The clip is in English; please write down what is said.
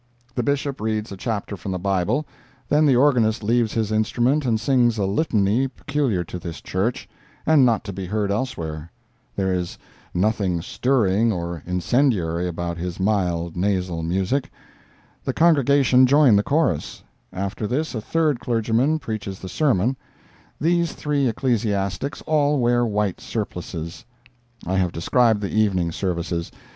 The Bishop reads a chapter from the Bible; then the organist leaves his instrument and sings a litany peculiar to this Church, and not to be heard elsewhere; there is nothing stirring or incendiary about his mild, nasal music; the congregation join the chorus; after this a third clergyman preaches the sermon; these three ecclesiastics all wear white surplices. I have described the evening services.